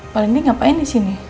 panti ngapain di sini